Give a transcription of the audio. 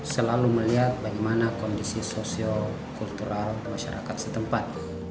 selalu melihat bagaimana kondisi sosio kultural masyarakat setempat